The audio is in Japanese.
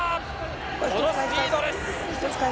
このスピードです。